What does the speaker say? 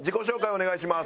お願いします。